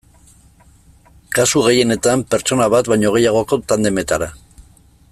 Kasu gehienetan, pertsona bat baino gehiagoko tandemetara.